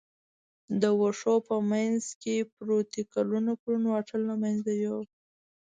د وښو په منځ کې پروتې کلونه کلونه واټن له منځه یووړ.